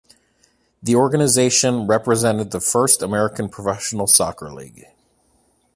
The organization represented the first American professional soccer league.